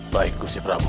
baik kusti prabu